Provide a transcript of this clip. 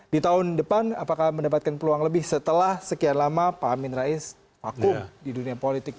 di tahun depan apakah mendapatkan peluang lebih setelah sekian lama pak amin rais vakum di dunia politik